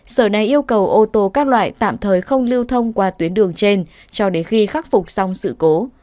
sở này yêu cầu ô tô các loại tạm thời không lưu thông qua tuyến đường trên cho đến khi khắc phục xong sự cố